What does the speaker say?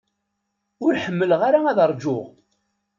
Ur ḥemmleɣ ara ad rǧuɣ.